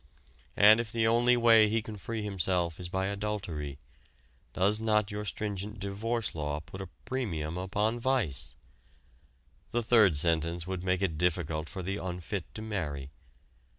And if the only way he can free himself is by adultery, does not your stringent divorce law put a premium upon vice? The third sentence would make it difficult for the unfit to marry.